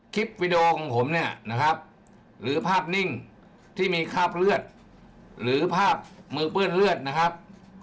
คลิปวิดีโอของผมเนี่ยนะครับหรือภาพนิ่งที่มีคราบเลือดหรือภาพมือเปื้อนเลือดนะครับ